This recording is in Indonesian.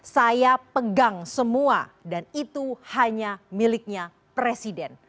saya pegang semua dan itu hanya miliknya presiden